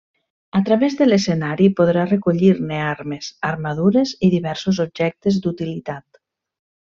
A través de l'escenari podrà recollir-ne armes, armadures i diversos objectes d'utilitat.